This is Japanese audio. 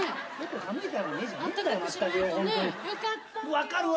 分かるわ。